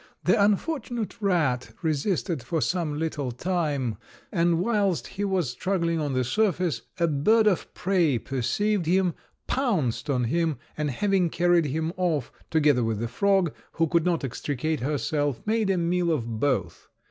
The unfortunate rat resisted for some little time; and whilst he was struggling on the surface, a bird of prey perceived him, pounced on him, and having carried him off, together with the frog, who could not extricate herself, made a meal of both.